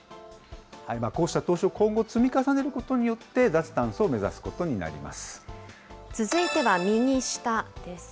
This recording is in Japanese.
こうした投資を今後積み重ねることによって、脱炭素を目指す続いては右下です。